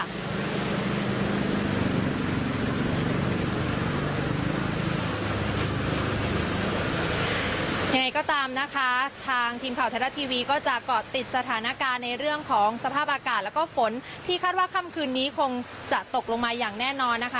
ยังไงก็ตามนะคะทางทีมข่าวไทยรัฐทีวีก็จะเกาะติดสถานการณ์ในเรื่องของสภาพอากาศแล้วก็ฝนที่คาดว่าค่ำคืนนี้คงจะตกลงมาอย่างแน่นอนนะคะ